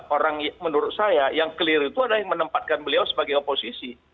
orang menurut saya yang clear itu adalah yang menempatkan beliau sebagai oposisi